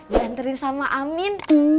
diantarin sama amin